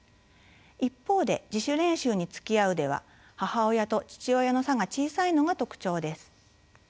一方で「自主練習につきあう」では母親と父親の差が小さいのが特徴です。